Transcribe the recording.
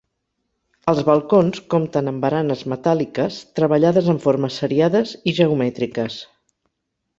Els balcons compten amb baranes metàl·liques treballades en formes seriades i geomètriques.